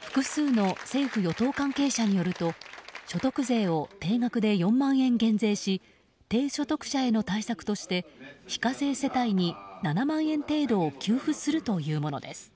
複数の政府・与党関係者によると所得税を定額で４万円減税し低所得者への対策として非課税世帯に７万円程度を給付するというものです。